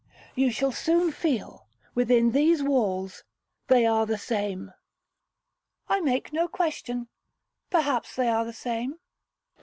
You shall soon feel, within these walls, they are the same.' 'I make no question—perhaps they are the same.'